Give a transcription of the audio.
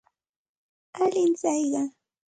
Alin tsayqa.